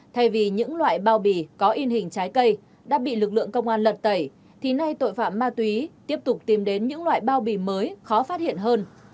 thay vì những loại bao bì có in hình trái cây đã bị lực lượng công an lật tẩy thì nay tội phạm ma túy tiếp tục tìm đến những loại bao bì mới khó phát hiện hơn